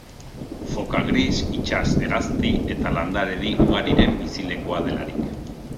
Foka gris, itsas hegazti eta landaredi ugariren bizilekua delarik.